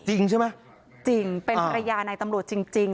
จริงใช่ไหมจริงเป็นภรรยาในตำรวจจริงจริง